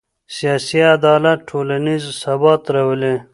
سیاسي عدالت ټولنیز ثبات راولي